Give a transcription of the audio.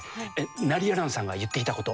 ナリヤランさんが言っていたこと。